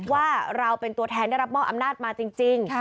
ว่าเราเป็นตัวแทนได้รับมอบอำนาจมาจริง